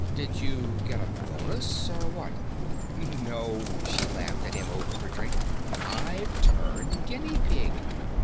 "Did you get a bonus, or what?" "No." She laughed at him over her drink. "I've turned guinea pig."